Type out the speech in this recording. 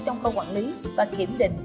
trong khâu quản lý và kiểm định